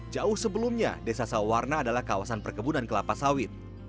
jauh sebelumnya desa sawarna adalah kawasan perkebunan kelapa sawit